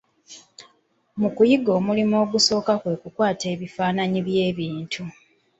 Mu kuyiga omulimo ogusooka kwe kukwata ebifaananyi by'ebintu.